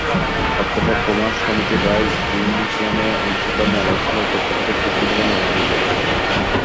অধ্যাপক কুমার সমিতি রায় জিমনেশিয়ামে অনুষ্ঠিত মেলায় ছিল তথ্যপ্রযুক্তি সম্পর্কে নানা আয়োজন।